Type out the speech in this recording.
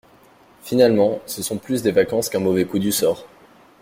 Finalement, ce sont plus des vacances qu’un mauvais coup du sort.